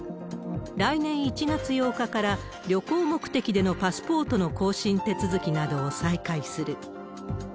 来年１月８日から、旅行目的でのパスポートの更新手続きなどを再開する。